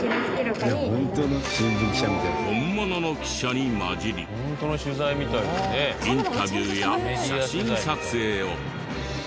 本物の記者に交じりインタビューや写真撮影を。